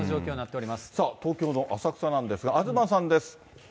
東京の浅草なんですが、東さんです。